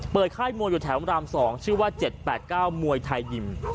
ค่ายมวยอยู่แถวราม๒ชื่อว่า๗๘๙มวยไทยยิม